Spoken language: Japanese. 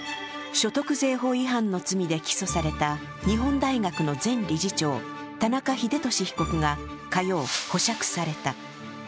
所得税法違反の罪で起訴された日本大学の前理事長、田中英寿被告が火曜、保釈された。